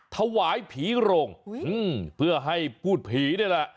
ถวายผีโรงเพื่อให้พูดผีนี่แหละ